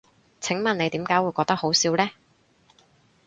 請問你點解會覺得好笑呢？